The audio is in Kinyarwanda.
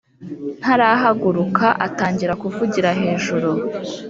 ntarahaguruka atangira kuvugira hejuru